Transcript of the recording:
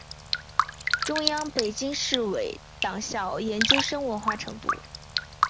中共北京市委党校研究生文化程度。